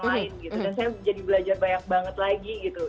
dan saya jadi belajar banyak banget lagi gitu